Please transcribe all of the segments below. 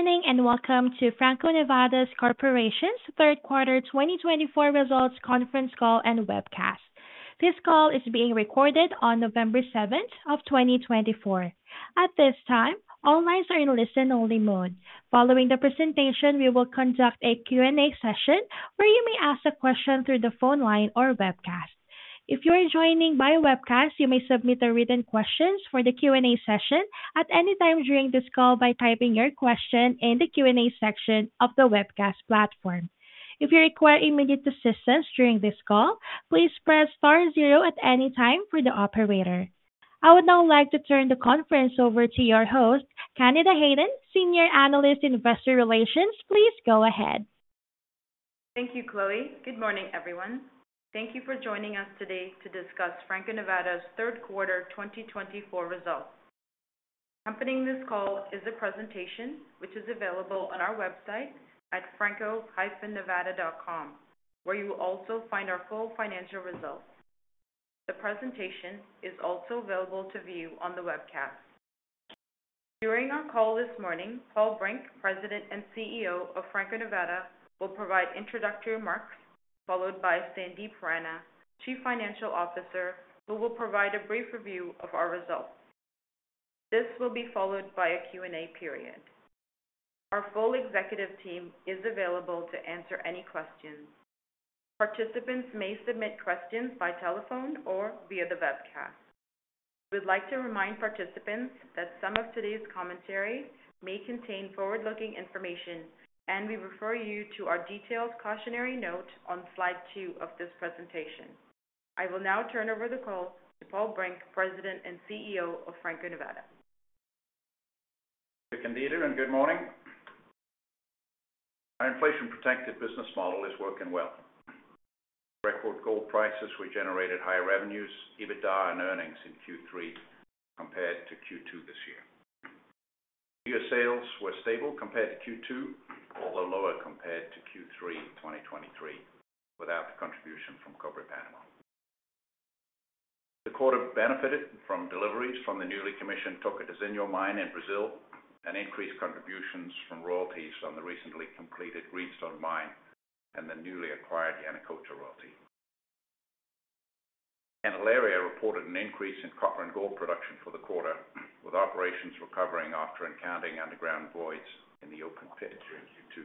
Good morning and welcome to Franco-Nevada Corporation's Third Quarter 2024 Results Conference Call and Webcast. This call is being recorded on November 7th of 2024. At this time, all lines are in listen-only mode. Following the presentation, we will conduct a Q&A session where you may ask a question through the phone line or webcast. If you are joining by webcast, you may submit a written question for the Q&A session at any time during this call by typing your question in the Q&A section of the webcast platform. If you require immediate assistance during this call, please press star zero at any time for the operator. I would now like to turn the conference over to your host, Candida Hayden, Senior Analyst, Investor Relations. Please go ahead. Thank you, Chloe. Good morning, everyone. Thank you for joining us today to discuss Franco-Nevada's Third Quarter 2024 Results. Accompanying this call is a presentation which is available on our website at franco-nevada.com, where you will also find our full financial results. The presentation is also available to view on the webcast. During our call this morning, Paul Brink, President and CEO of Franco-Nevada, will provide introductory remarks followed by Sandip Rana, Chief Financial Officer, who will provide a brief review of our results. This will be followed by a Q&A period. Our full executive team is available to answer any questions. Participants may submit questions by telephone or via the webcast. We would like to remind participants that some of today's commentary may contain forward-looking information, and we refer you to our detailed cautionary note on slide two of this presentation. I will now turn over the call to Paul Brink, President and CEO of Franco-Nevada. Thank you, Candida, and good morning. Our inflation-protected business model is working well. Record gold prices regenerated high revenues, EBITDA, and earnings in Q3 compared to Q2 this year. Your sales were stable compared to Q2, although lower compared to Q3 2023 without contribution from Cobre Panamá. The quarter benefited from deliveries from the newly commissioned Tocantinzinho mine in Brazil and increased contributions from royalties on the recently completed Greenstone mine and the newly acquired Yanacocha royalty. Candelaria reported an increase in copper and gold production for the quarter, with operations recovering after encountering underground voids in the open pit in Q2.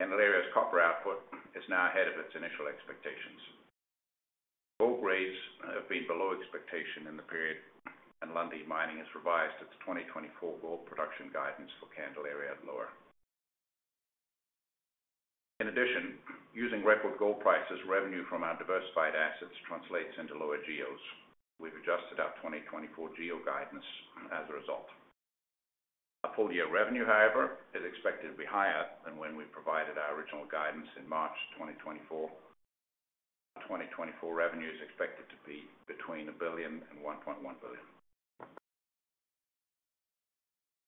Candelaria's copper output is now ahead of its initial expectations. Gold grades have been below expectation in the period, and Lundin Mining has revised its 2024 gold production guidance for Candelaria at lower. In addition, using record gold prices, revenue from our diversified assets translates into lower GEOs. We've adjusted our 2024 GEO guidance as a result. Our full year revenue, however, is expected to be higher than when we provided our original guidance in March 2024. 2024 revenue is expected to be between $1 billion and $1.1 billion.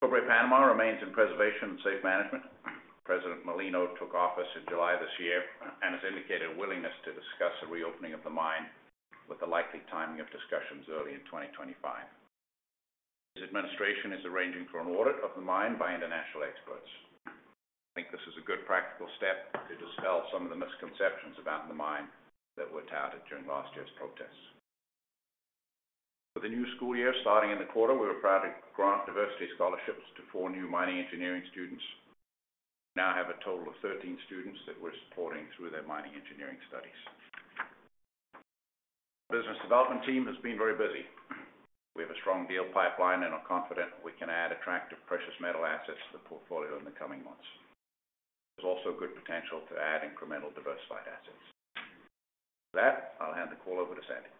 Cobre Panamá remains in preservation and safe management. President Mulino took office in July this year and has indicated a willingness to discuss the reopening of the mine with a likely timing of discussions early in 2025. His administration is arranging for an audit of the mine by international experts. I think this is a good practical step to dispel some of the misconceptions about the mine that were touted during last year's protests. For the new school year starting in the quarter, we were proud to grant diversity scholarships to four new mining engineering students. We now have a total of 13 students that we're supporting through their mining engineering studies. Our business development team has been very busy. We have a strong deal pipeline and are confident we can add attractive precious metal assets to the portfolio in the coming months. There's also good potential to add incremental diversified assets. With that, I'll hand the call over to Sandip.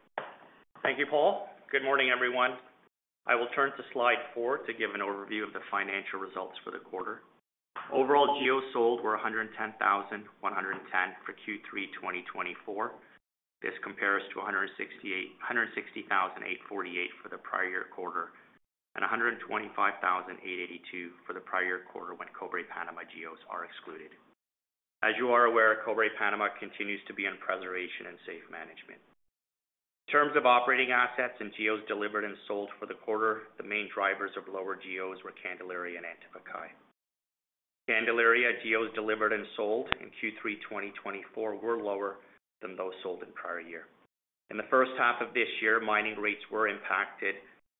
Thank you, Paul. Good morning, everyone. I will turn to slide four to give an overview of the financial results for the quarter. Overall GEOs sold were 110,110 for Q3 2024. This compares to 160,848 for the prior year quarter and 125,882 for the prior year quarter when Cobre Panamá GEOs are excluded. As you are aware, Cobre Panamá continues to be in preservation and safe management. In terms of operating assets and GEOs delivered and sold for the quarter, the main drivers of lower GEOs were Candelaria and Antapaccay. Candelaria GEOs delivered and sold in Q3 2024 were lower than those sold in prior year. In the first half of this year, mining rates were impacted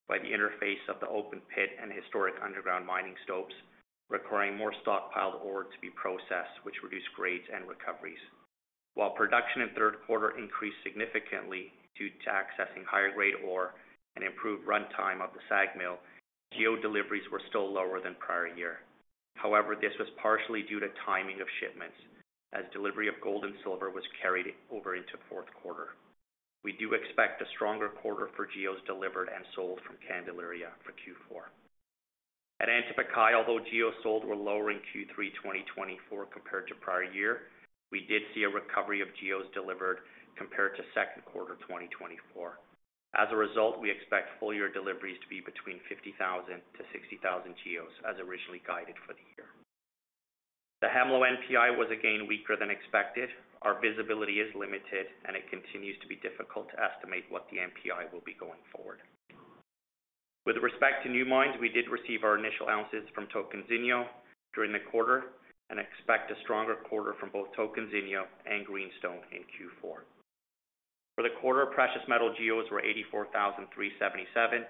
by the interface of the open pit and historic underground mining stopes, requiring more stockpiled ore to be processed, which reduced grades and recoveries. While production in third quarter increased significantly due to accessing higher grade ore and improved runtime of the SAG mill, GEO deliveries were still lower than prior year. However, this was partially due to timing of shipments, as delivery of gold and silver was carried over into fourth quarter. We do expect a stronger quarter for GEOs delivered and sold from Candelaria for Q4. At Antapaccay, although GEOs sold were lower in Q3 2024 compared to prior year, we did see a recovery of GEOs delivered compared to second quarter 2024. As a result, we expect full year deliveries to be between 50,000-60,000 GEOs, as originally guided for the year. The Hemlo NPI was again weaker than expected. Our visibility is limited, and it continues to be difficult to estimate what the NPI will be going forward. With respect to new mines, we did receive our initial ounces from Tocantinzinho during the quarter and expect a stronger quarter from both Tocantinzinho and Greenstone in Q4. For the quarter, precious metal GEOs were 84,377.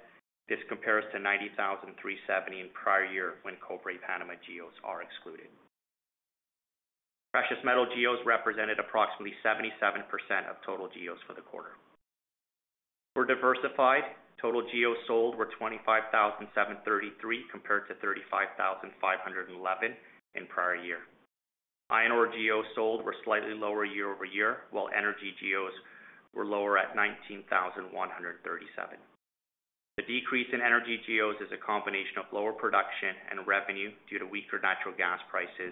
This compares to 90,370 in prior year when Cobre Panamá GEOs are excluded. Precious metal GEOs represented approximately 77% of total GEOs for the quarter. For diversified, total GEOs sold were 25,733 compared to 35,511 in prior year. Iron ore GEOs sold were slightly lower year over year, while energy GEOs were lower at 19,137. The decrease in energy GEOs is a combination of lower production and revenue due to weaker natural gas prices,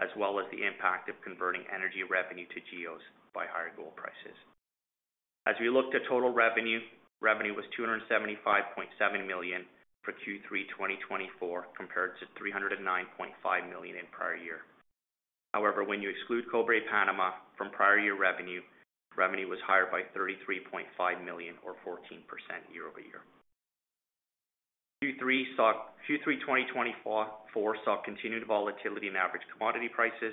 as well as the impact of converting energy revenue to GEOs by higher gold prices. As we looked at total revenue, revenue was $275.7 million for Q3 2024 compared to $309.5 million in prior year. However, when you exclude Cobre Panamá from prior year revenue, revenue was higher by $33.5 million, or 14% year over year. Q3 2024 saw continued volatility in average commodity prices.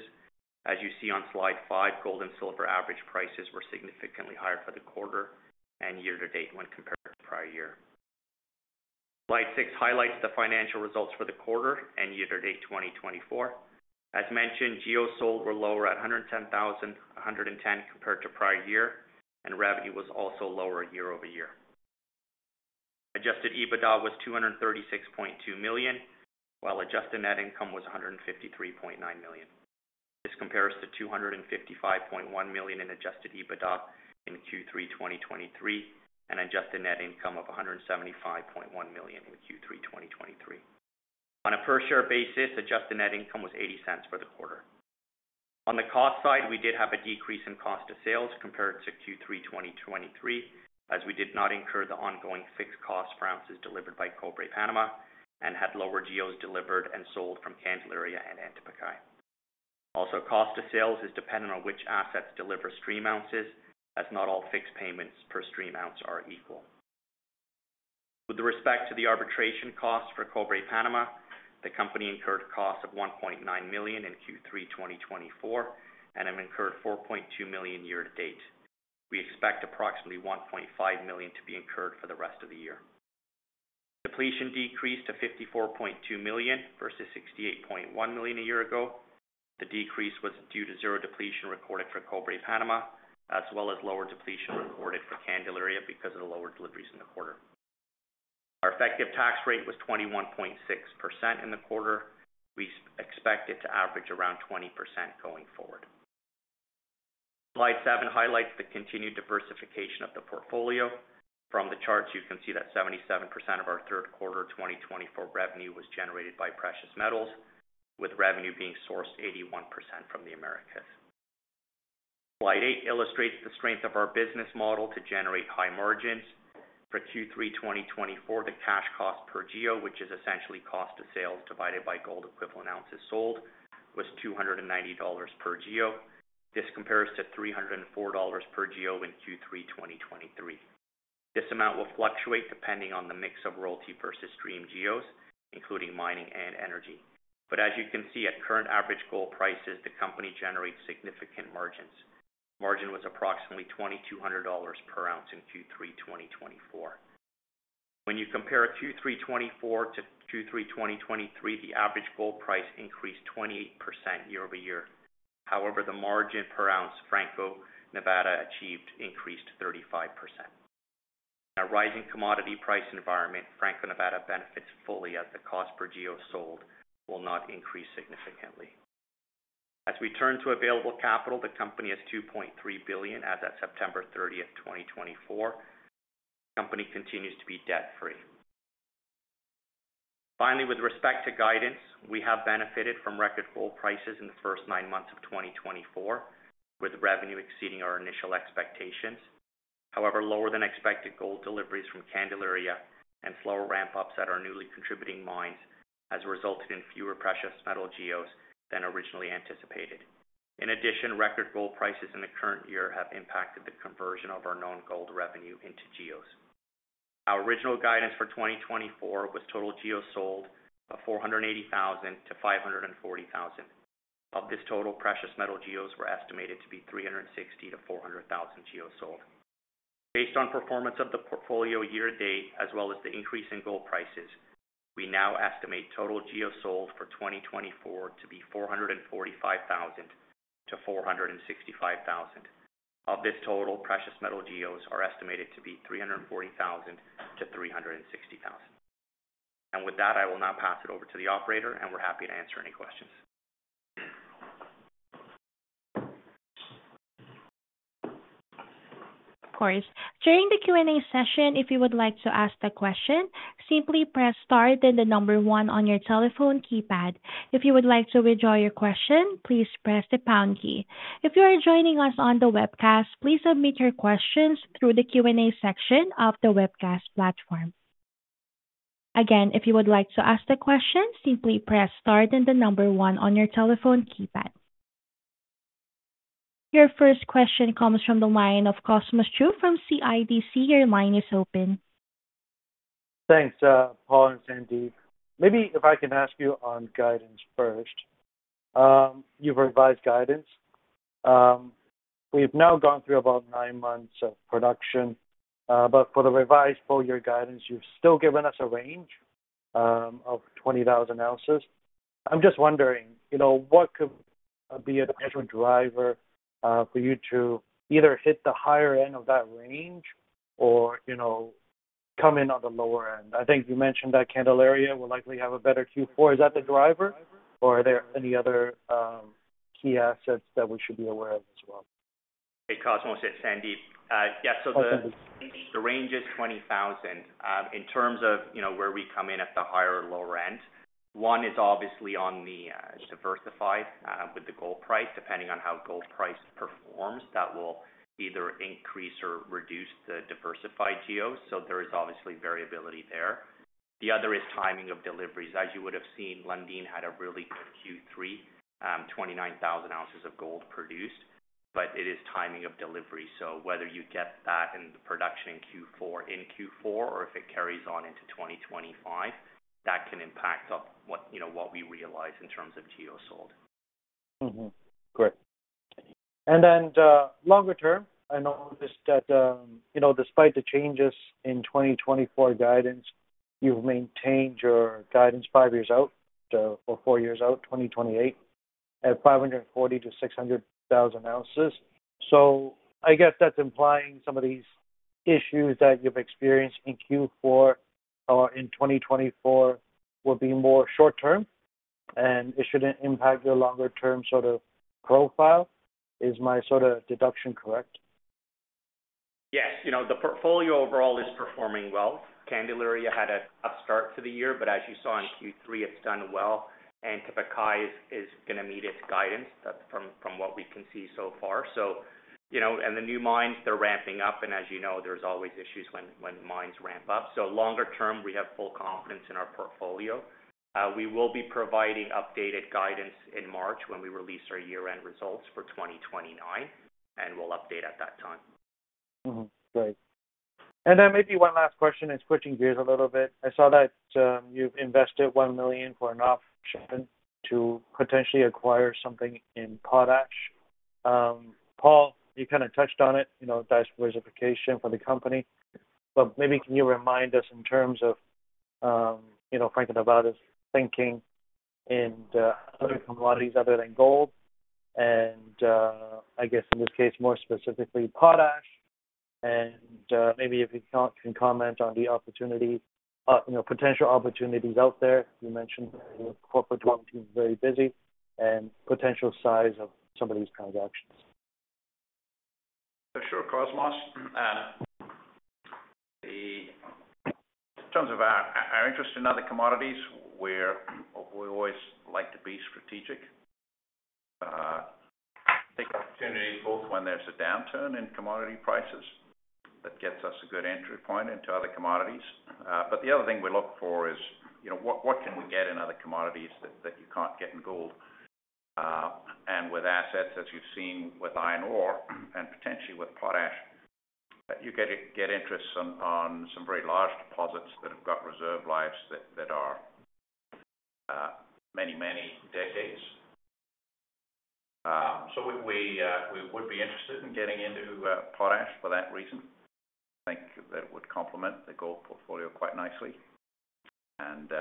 As you see on slide five, gold and silver average prices were significantly higher for the quarter and year to date when compared to prior year. Slide six highlights the financial results for the quarter and year to date 2024. As mentioned, GEOs sold were lower at 110,110 compared to prior year, and revenue was also lower year over year. Adjusted EBITDA was $236.2 million, while adjusted net income was $153.9 million. This compares to $255.1 million in adjusted EBITDA in Q3 2023 and adjusted net income of $175.1 million in Q3 2023. On a per-share basis, adjusted net income was $0.80 for the quarter. On the cost side, we did have a decrease in cost of sales compared to Q3 2023, as we did not incur the ongoing fixed cost for ounces delivered by Cobre Panamá and had lower GEOs delivered and sold from Candelaria and Antapaccay. Also, cost of sales is dependent on which assets deliver stream ounces, as not all fixed payments per stream ounce are equal. With respect to the arbitration cost for Cobre Panamá, the company incurred costs of $1.9 million in Q3 2024 and have incurred $4.2 million year to date. We expect approximately $1.5 million to be incurred for the rest of the year. Depletion decreased to $54.2 million versus $68.1 million a year ago. The decrease was due to zero depletion recorded for Cobre Panamá, as well as lower depletion recorded for Candelaria because of the lower deliveries in the quarter. Our effective tax rate was 21.6% in the quarter. We expect it to average around 20% going forward. Slide seven highlights the continued diversification of the portfolio. From the charts, you can see that 77% of our third quarter 2024 revenue was generated by precious metals, with revenue being sourced 81% from the Americas. Slide eight illustrates the strength of our business model to generate high margins. For Q3 2024, the cash cost per geo, which is essentially cost of sales divided by gold equivalent ounces sold, was $290 per geo. This compares to $304 per geo in Q3 2023. This amount will fluctuate depending on the mix of royalty versus stream geos, including mining and energy. But as you can see, at current average gold prices, the company generates significant margins. Margin was approximately $2,200 per ounce in Q3 2024. When you compare Q3 2024 to Q3 2023, the average gold price increased 28% year over year. However, the margin per ounce Franco-Nevada achieved increased 35%. In a rising commodity price environment, Franco-Nevada benefits fully as the cost per geo sold will not increase significantly. As we turn to available capital, the company has $2.3 billion as of September 30th, 2024. The company continues to be debt-free. Finally, with respect to guidance, we have benefited from record gold prices in the first nine months of 2024, with revenue exceeding our initial expectations. However, lower than expected gold deliveries from Candelaria and slower ramp-ups at our newly contributing mines has resulted in fewer precious metal geos than originally anticipated. In addition, record gold prices in the current year have impacted the conversion of our known gold revenue into geos. Our original guidance for 2024 was total GEOs sold of 480,000-540,000. Of this total, precious metal GEOs were estimated to be 360,000-400,000 GEOs sold. Based on performance of the portfolio year to date, as well as the increase in gold prices, we now estimate total GEOs sold for 2024 to be 445,000-465,000. Of this total, precious metal GEOs are estimated to be 340,000-360,000. And with that, I will now pass it over to the operator, and we're happy to answer any questions. Of course. During the Q&A session, if you would like to ask a question, simply press star then the number one on your telephone keypad. If you would like to withdraw your question, please press the pound key. If you are joining us on the webcast, please submit your questions through the Q&A section of the webcast platform. Again, if you would like to ask a question, simply press star then the number one on your telephone keypad. Your first question comes from the line of Cosmos Chiu from CIBC. Your line is open. Thanks, Paul and Sandip. Maybe if I can ask you on guidance first. You've revised guidance. We've now gone through about nine months of production, but for the revised full year guidance, you've still given us a range of 20,000 ounces. I'm just wondering, what could be a potential driver for you to either hit the higher end of that range or come in on the lower end? I think you mentioned that Candelaria will likely have a better Q4. Is that the driver, or are there any other key assets that we should be aware of as well? Hey, Cosmos, it's Sandip. Yes, so the range is 20,000. In terms of where we come in at the higher or lower end, one is obviously on the diversified with the gold price. Depending on how gold price performs, that will either increase or reduce the diversified GEOs. So there is obviously variability there. The other is timing of deliveries. As you would have seen, Lundin had a really good Q3, 29,000 ounces of gold produced, but it is timing of delivery. So whether you get that in production in Q4 or if it carries on into 2025, that can impact what we realize in terms of GEOs sold. Correct. And then longer term, I noticed that despite the changes in 2024 guidance, you've maintained your guidance five years out or four years out, 2028, at 540,000-600,000 ounces. So I guess that's implying some of these issues that you've experienced in Q4 or in 2024 will be more short-term, and it shouldn't impact your longer-term sort of profile. Is my sort of deduction correct? Yes. The portfolio overall is performing well. Candelaria had a tough start to the year, but as you saw in Q3, it's done well. Antapaccay is going to meet its guidance from what we can see so far, and the new mines, they're ramping up, and as you know, there's always issues when mines ramp up, so longer term, we have full confidence in our portfolio. We will be providing updated guidance in March when we release our year-end results for 2029, and we'll update at that time. Great. And then maybe one last question and switching gears a little bit. I saw that you've invested $1 million for an option to potentially acquire something in Potash. Paul, you kind of touched on it, diversification for the company. But maybe can you remind us in terms of Franco-Nevada's thinking in other commodities other than gold? And I guess in this case, more specifically, potash. And maybe if you can comment on the potential opportunities out there. You mentioned the corporate team is very busy and potential size of some of these transactions. Sure, Cosmos. Let's see. In terms of our interest in other commodities, we always like to be strategic. Take opportunities both when there's a downturn in commodity prices that gets us a good entry point into other commodities. But the other thing we look for is what can we get in other commodities that you can't get in gold? And with assets, as you've seen with iron ore and potentially with potash, you get interest on some very large deposits that have got reserve lives that are many, many decades. So we would be interested in getting into potash for that reason. I think that would complement the gold portfolio quite nicely. And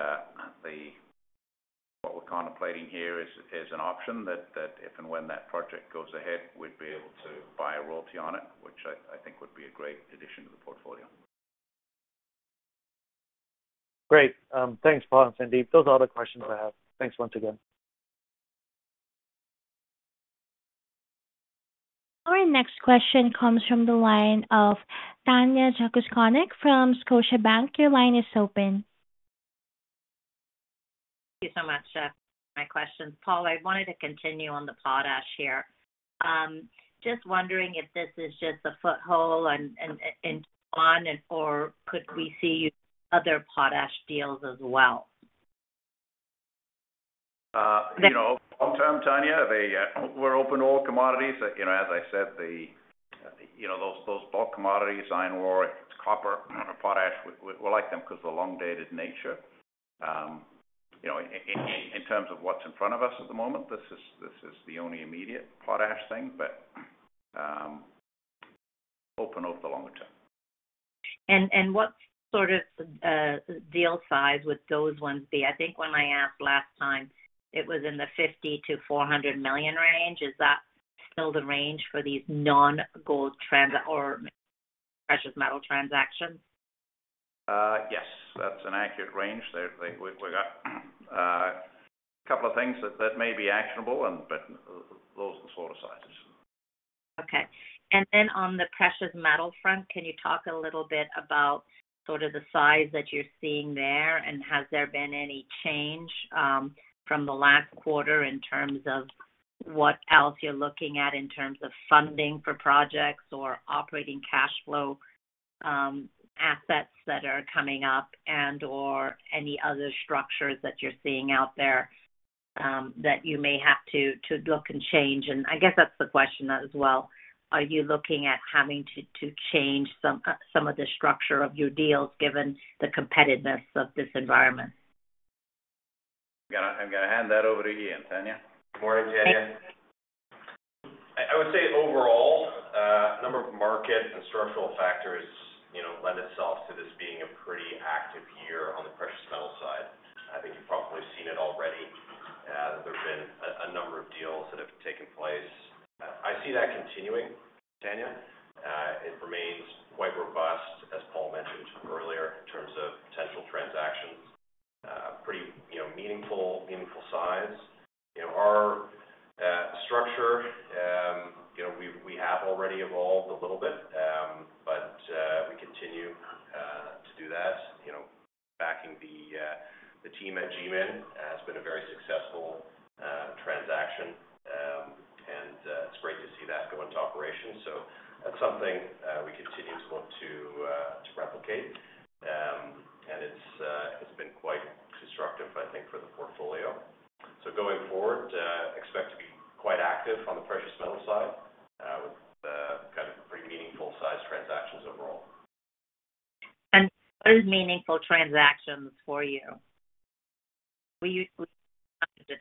what we're contemplating here is an option that if and when that project goes ahead, we'd be able to buy a royalty on it, which I think would be a great addition to the portfolio. Great. Thanks, Paul and Sandip. Those are all the questions I have. Thanks once again. Our next question comes from the line of Tanya Jakusconek from Scotiabank. Your line is open. Thank you so much for my questions. Paul, I wanted to continue on the Potash here. Just wondering if this is just a foothold in Taiwan or could we see other Potash deals as well? Long-term, Tanya, we're open to all commodities. As I said, those bulk commodities, iron ore, copper, potash, we like them because of the long-dated nature. In terms of what's in front of us at the moment, this is the only immediate potash thing, but open over the longer term. What sort of deal size would those ones be? I think when I asked last time, it was in the $50-$400 million range. Is that still the range for these non-gold transactions or precious metal transactions? Yes, that's an accurate range. We've got a couple of things that may be actionable, but those are the sort of sizes. Okay. And then on the precious metal front, can you talk a little bit about sort of the size that you're seeing there? And has there been any change from the last quarter in terms of what else you're looking at in terms of funding for projects or operating cash flow assets that are coming up and/or any other structures that you're seeing out there that you may have to look and change? And I guess that's the question as well. Are you looking at having to change some of the structure of your deals given the competitiveness of this environment? I'm going to hand that over to Ian, Tanya. Morning, Tanya. I would say overall, a number of market and structural factors lend itself to this being a pretty active year on the precious metal side. I think you've probably seen it already. There have been a number of deals that have taken place. I see that continuing, Tanya. It remains quite robust, as Paul mentioned earlier, in terms of potential transactions. Pretty meaningful size. Our structure, we have already evolved a little bit, but we continue to do that. Backing the team at GMIN has been a very successful transaction, and it's great to see that go into operations. So that's something we continue to look to replicate, and it's been quite constructive, I think, for the portfolio. So going forward, expect to be quite active on the precious metal side with kind of pretty meaningful size transactions overall. What are meaningful transactions for you? We talked about the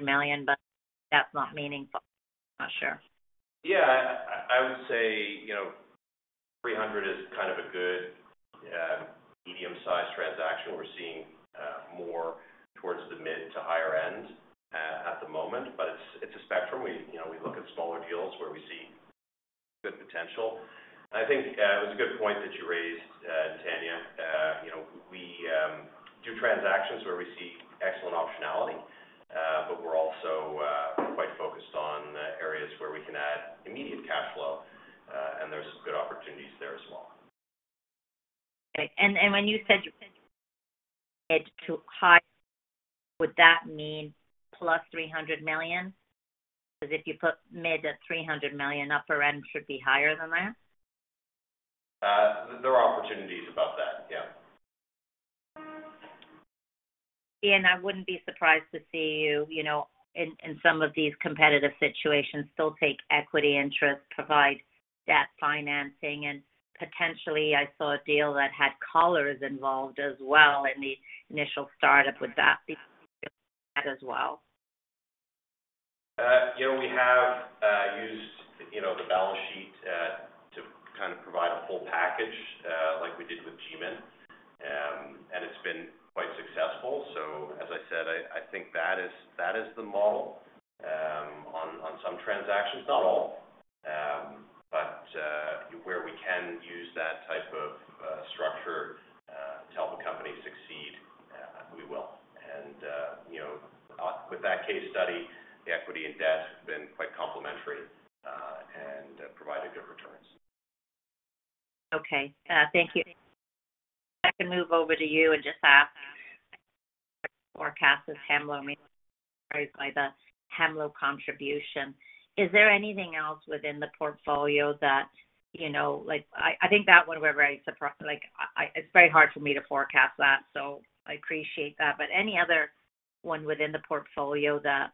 $300 million, but that's not meaningful. I'm not sure. Yeah. I would say $300 million is kind of a good medium-sized transaction. We're seeing more towards the mid to higher end at the moment, but it's a spectrum. We look at smaller deals where we see good potential. And I think it was a good point that you raised, Tanya. We do transactions where we see excellent optionality, but we're also quite focused on areas where we can add immediate cash flow, and there's some good opportunities there as well. Okay, and when you said mid to high, would that mean plus $300 million? Because if you put mid at $300 million, upper end should be higher than that? There are opportunities above that, yeah. Ian, I wouldn't be surprised to see you in some of these competitive situations still take equity interest, provide debt financing, and potentially I saw a deal that had collars involved as well in the initial startup. Would that be a deal for that as well? Yeah. We have used the balance sheet to kind of provide a full package like we did with GMIN, and it's been quite successful. So as I said, I think that is the model on some transactions, not all, but where we can use that type of structure to help a company succeed, we will. And with that case study, the equity and debt have been quite complementary and provided good returns. Okay. Thank you. I can move over to you and just ask forecasts as Hemlo may be surprised by the Hemlo contribution. Is there anything else within the portfolio that I think that one we're very surprised it's very hard for me to forecast that, so I appreciate that. But any other one within the portfolio that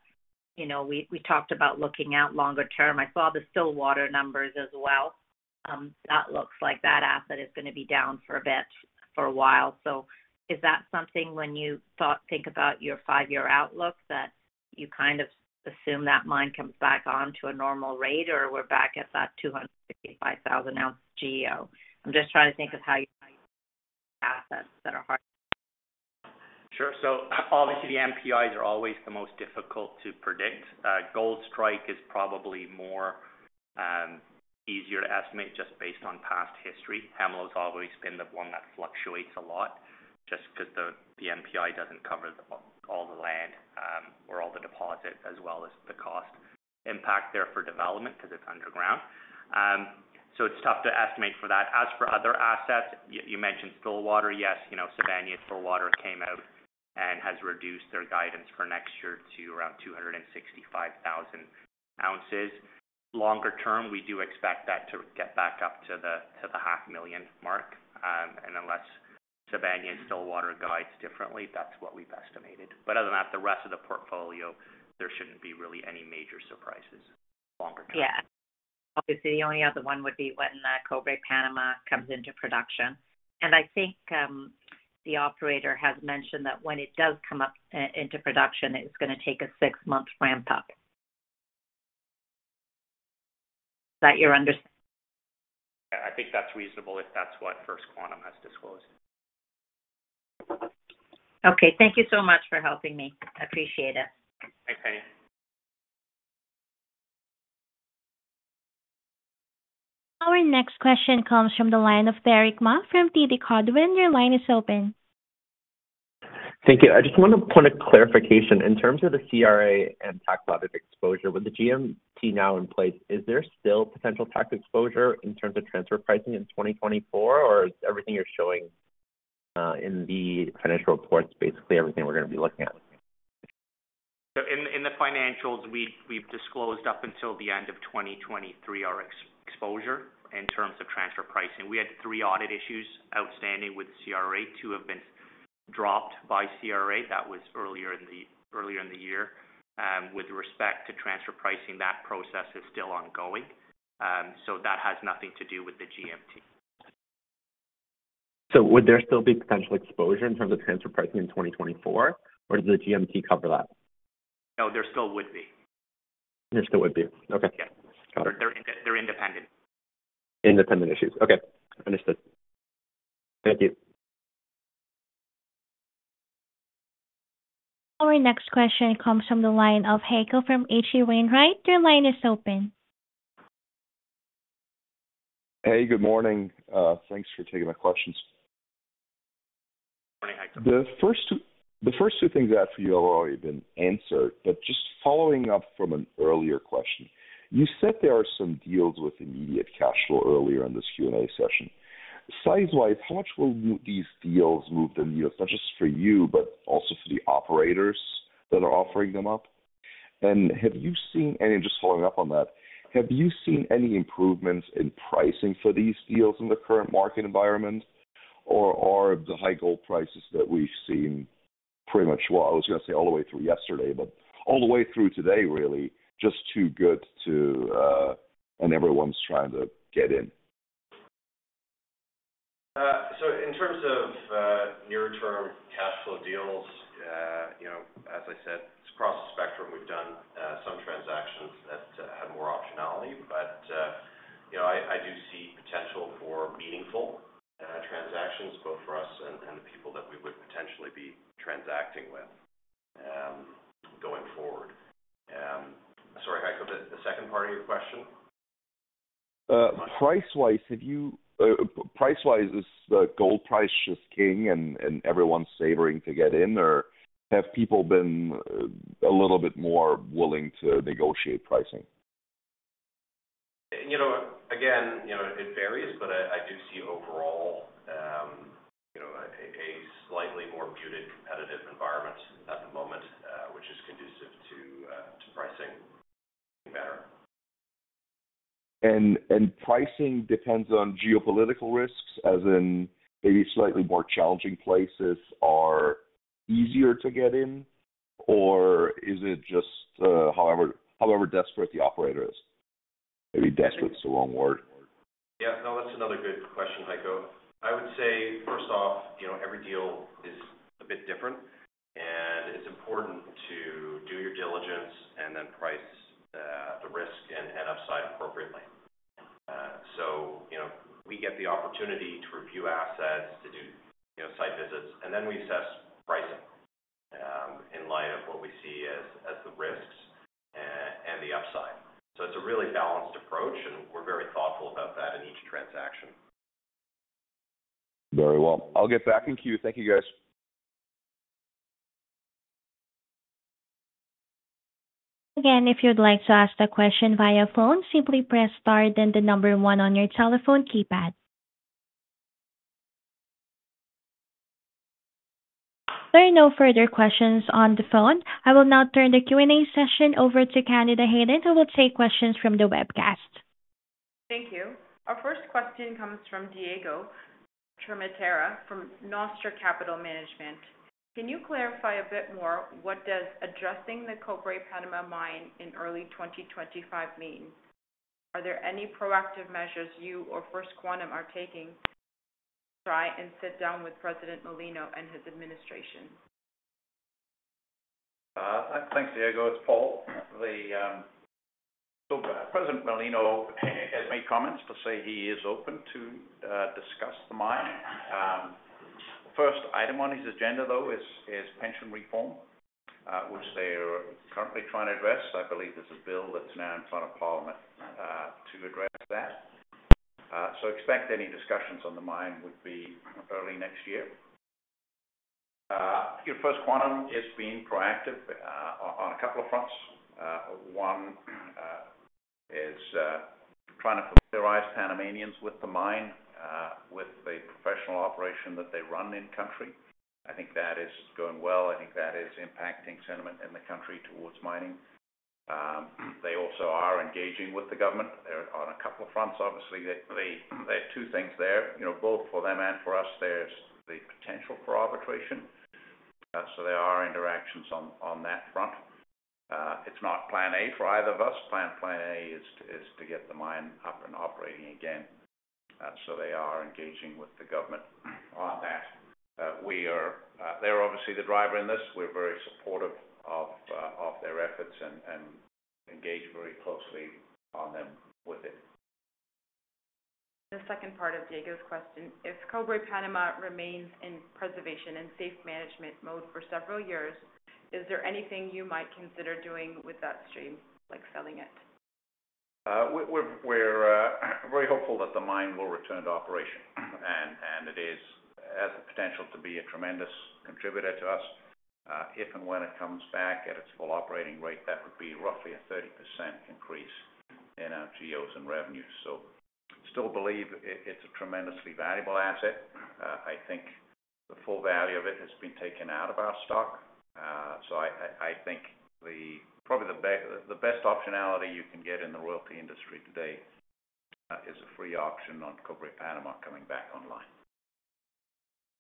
we talked about looking at longer term? I saw the Stillwater numbers as well. That looks like that asset is going to be down for a bit for a while. So is that something when you think about your five-year outlook that you kind of assume that mine comes back on to a normal rate or we're back at that 255,000 ounce GEO? I'm just trying to think of how you assets that are hard. Sure. So obviously, the NPIs are always the most difficult to predict. Goldstrike is probably more easier to estimate just based on past history. Hemlo has always been the one that fluctuates a lot just because the NPI doesn't cover all the land or all the deposit as well as the cost impact there for development because it's underground. So it's tough to estimate for that. As for other assets, you mentioned Stillwater. Yes, Sibanye-Stillwater came out and has reduced their guidance for next year to around 265,000 ounces. Longer term, we do expect that to get back up to the 500,000 mark, and unless Sibanye-Stillwater guides differently, that's what we've estimated, but other than that, the rest of the portfolio, there shouldn't be really any major surprises longer term. Yeah. Obviously, the only other one would be when Cobre Panamá comes into production. And I think the operator has mentioned that when it does come up into production, it's going to take a six-month ramp-up. Is that your understanding? Yeah. I think that's reasonable if that's what First Quantum has disclosed. Okay. Thank you so much for helping me. I appreciate it. Thanks, Tanya. Our next question comes from the line of Derick Ma from TD Cowen. Your line is open. Thank you. I just want a point of clarification. In terms of the CRA and tax-related exposure, with the GMT now in place, is there still potential tax exposure in terms of transfer pricing in 2024, or is everything you're showing in the financial reports basically everything we're going to be looking at? So in the financials, we've disclosed up until the end of 2023 our exposure in terms of transfer pricing. We had three audit issues outstanding with CRA. Two have been dropped by CRA. That was earlier in the year. With respect to transfer pricing, that process is still ongoing. So that has nothing to do with the GMT. Would there still be potential exposure in terms of transfer pricing in 2024, or does the GMT cover that? No, there still would be. There still would be. Okay. Yeah. They're independent. Independent issues. Okay. Understood. Thank you. Our next question comes from the line of Heiko from H.C. Wainwright. Your line is open. Hey, good morning. Thanks for taking my questions. Morning, Heiko. The first two things I have for you have already been answered, but just following up from an earlier question, you said there are some deals with immediate cash flow earlier in this Q&A session. Size-wise, how much will these deals move the needle, not just for you, but also for the operators that are offering them up? And have you seen any, just following up on that, have you seen any improvements in pricing for these deals in the current market environment, or are the high gold prices that we've seen pretty much, well, I was going to say all the way through yesterday, but all the way through today, really just too good and everyone's trying to get in? So in terms of near-term cash flow deals, as I said, across the spectrum, we've done some transactions that had more optionality, but I do see potential for meaningful transactions both for us and the people that we would potentially be transacting with going forward. Sorry, Heiko, the second part of your question? Price-wise, is the gold price just king and everyone's scrambling to get in, or have people been a little bit more willing to negotiate pricing? Again, it varies, but I do see overall a slightly more muted competitive environment at the moment, which is conducive to pricing better. And pricing depends on geopolitical risks, as in maybe slightly more challenging places are easier to get in, or is it just however desperate the operator is? Maybe desperate's the wrong word. Yeah. No, that's another good question, Heiko. I would say, first off, every deal is a bit different, and it's important to do your diligence and then price the risk and upside appropriately. So we get the opportunity to review assets, to do site visits, and then we assess pricing in light of what we see as the risks and the upside. So it's a really balanced approach, and we're very thoughtful about that in each transaction. Very well. I'll get back in queue. Thank you, guys. Again, if you'd like to ask a question via phone, simply press Star and the number one on your telephone keypad. There are no further questions on the phone. I will now turn the Q&A session over to Candida Hayden, who will take questions from the webcast. Thank you. Our first question comes from Diego Tramaterra from Noster Capital Management. Can you clarify a bit more what does addressing the Cobre Panamá mine in early 2025 mean? Are there any proactive measures you or First Quantum are taking to try and sit down with President Mulino and his administration? Thanks, Diego. It's Paul. President Mulino has made comments to say he is open to discuss the mine. The first item on his agenda, though, is pension reform, which they are currently trying to address. I believe there's a bill that's now in front of Parliament to address that. So expect any discussions on the mine would be early next year. First Quantum is being proactive on a couple of fronts. One is trying to familiarize Panamanians with the mine with the professional operation that they run in country. I think that is going well. I think that is impacting sentiment in the country towards mining. They also are engaging with the government on a couple of fronts. Obviously, there are two things there. Both for them and for us, there's the potential for arbitration. So there are interactions on that front. It's not plan A for either of us. Plan A is to get the mine up and operating again. So they are engaging with the government on that. They're obviously the driver in this. We're very supportive of their efforts and engage very closely on them with it. The second part of Diego's question, if Cobre Panamá remains in preservation and safe management mode for several years, is there anything you might consider doing with that stream, like selling it? We're very hopeful that the mine will return to operation, and it has the potential to be a tremendous contributor to us. If and when it comes back at its full operating rate, that would be roughly a 30% increase in our GEOs and revenues. So I still believe it's a tremendously valuable asset. I think the full value of it has been taken out of our stock. So I think probably the best optionality you can get in the royalty industry today is a free option on Cobre Panamá coming back online.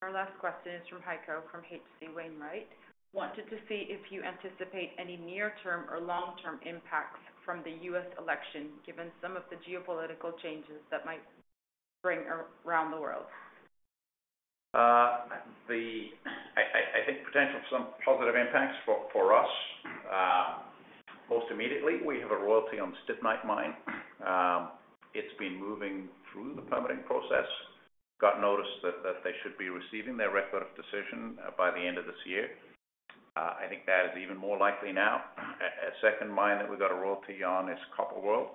Our last question is from Heiko from H.C. Wainwright. Wanted to see if you anticipate any near-term or long-term impacts from the U.S. election given some of the geopolitical changes that might bring around the world. I think potential for some positive impacts for us. Most immediately, we have a royalty on the Stibnite mine. It's been moving through the permitting process. Got notice that they should be receiving their Record of Decision by the end of this year. I think that is even more likely now. A second mine that we've got a royalty on is Copper World,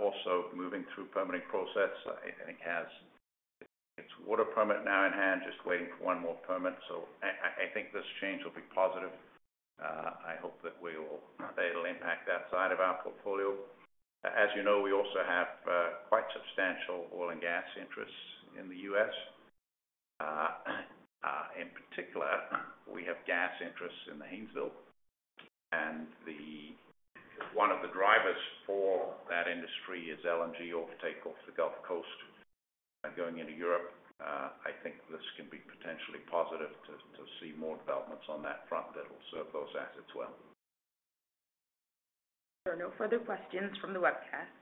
also moving through permitting process. I think it's water permit now in hand, just waiting for one more permit. So I think this change will be positive. I hope that it'll impact that side of our portfolio. As you know, we also have quite substantial oil and gas interests in the U.S. In particular, we have gas interests in the Haynesville. And one of the drivers for that industry is LNG offtake off the Gulf Coast going into Europe. I think this can be potentially positive to see more developments on that front that'll serve those assets well. There are no further questions from the webcast.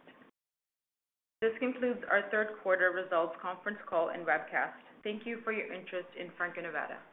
This concludes our third quarter results conference call and webcast. Thank you for your interest in Franco-Nevada.